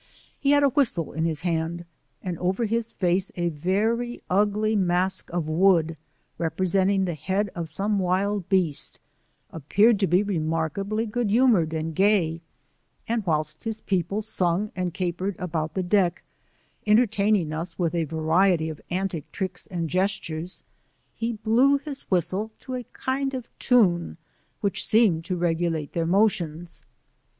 He had a whistle in his hand, and over his face a very ugly mask of wood, represeai*rig the head of some wild beast, appeared to be remarkably good humoured and gay, and whilst his people sung 28 and capered about the deck, entertaioiDg us with a variety of antic trick and gestures, he blew his whistle to a kind of tune which seemed to regu late their motions.